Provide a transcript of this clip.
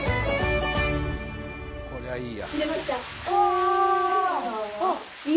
こりゃいいや。